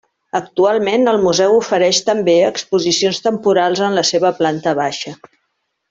Actualment, el museu ofereix també exposicions temporals en la seva planta baixa.